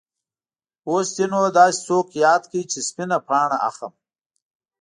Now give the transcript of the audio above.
اوس دې نو داسې څوک یاد کړ چې سپینه پاڼه اخلم.